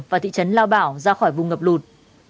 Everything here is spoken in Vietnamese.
và thị trấn lao bảo ra khỏi vùng ngập lụt